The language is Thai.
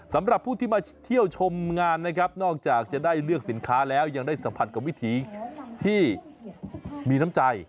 สำหรับผู้ที่มาเที่ยวชมงานนะครับนอกจากจะได้เลือกสินค้าแล้วยังได้สัมผัสกับวิถีที่มีน้ำใจ